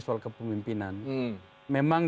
soal kepemimpinan memang